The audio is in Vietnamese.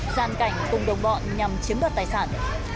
gian cảnh cùng đồng bọn nhằm chiếm đoạt tài sản